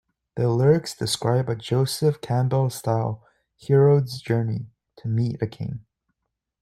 The lyrics describe a Joseph Campbell-style "hero's journey" to meet a king.